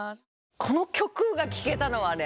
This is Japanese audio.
この曲が聴けたのはね